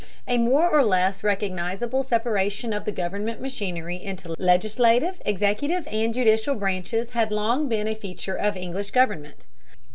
A more or less recognizable separation of the governmental machinery into legislative, executive, and judicial branches had long been a feature of English government.